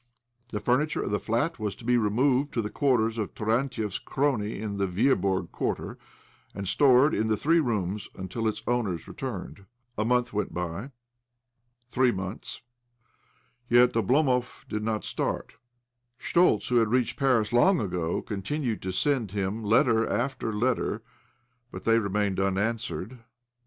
The furniture of the flat was to be removed tos II іб2 OBLOMOV the quarters of Taraлtiev's crony in the •VeabOrg Quarter, and stored in the three rooms until its owner's return. A month went by — three months ; yet Oblomov still did not start. Schtoltz, who had reached Paris long ago, continued to send him letter after letter, but they remained unanswered.